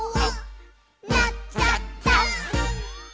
「なっちゃった！」